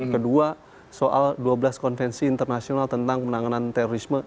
kedua soal dua belas konvensi internasional tentang penanganan terorisme